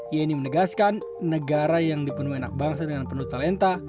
yeni menegaskan negara yang dipenuhi anak bangsa dengan penuh talenta